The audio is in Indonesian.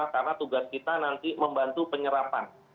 karena tugas kita nanti membantu penyerapan